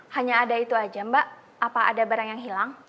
hanya ada itu aja mbak apa ada barang yang hilang